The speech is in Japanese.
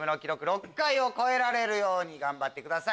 ６回を超えるように頑張ってください。